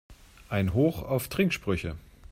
Ein Hoch auf Trinksprüche!